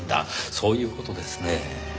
そういう事ですねぇ。